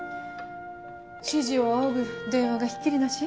指示を仰ぐ電話がひっきりなし？